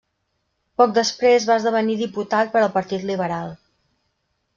Poc després va esdevenir diputat per al partit liberal.